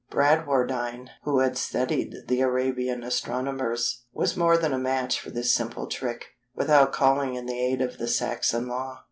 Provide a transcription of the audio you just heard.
Bradwardine, who had studied the Arabian astronomers, was more than a match for this simple trick, without calling in the aid of the Saxon law.